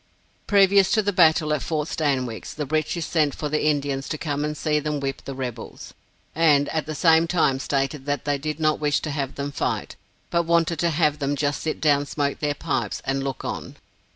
Previous to the battle at Fort Stanwix, the British sent for the Indians to come and see them whip the rebels; and, at the same time stated that they did not wish to have them fight, but wanted to have them just sit down smoke their pipes, and look on.